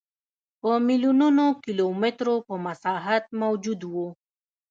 په میلیونونو کیلومترو په مساحت موجود و.